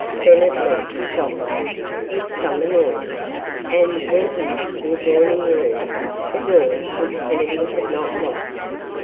Bennett left his office, with some annoyance, and went into the adjoining room the door to which Kennedy had not locked.